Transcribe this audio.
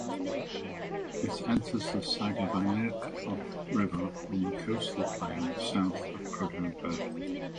It enters the Sagavanirktok River on the coastal plain south of Prudhoe Bay.